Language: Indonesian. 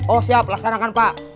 oh siap laksanakan pak